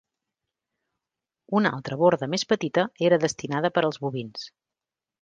Una altra borda més petita era destinada per als bovins.